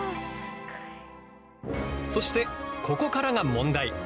そしてここからが問題。